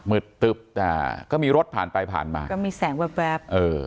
ตึบแต่ก็มีรถผ่านไปผ่านมาก็มีแสงแวบเออ